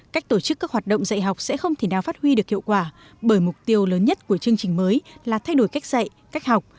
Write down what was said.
cách tổ chức các hoạt động dạy học sẽ không thể nào phát huy được hiệu quả bởi mục tiêu lớn nhất của chương trình mới là thay đổi cách dạy cách học